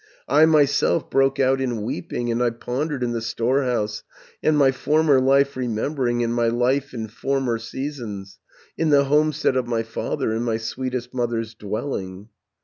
650 "I myself broke out in weeping, And I pondered in the storehouse, And my former life remembering, And my life in former seasons, In the homestead of my father, In my sweetest mother's dwelling.